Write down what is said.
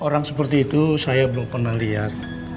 orang seperti itu saya belum pernah lihat